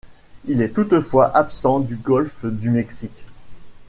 Il est toutefois absent du Golfe du Mexique.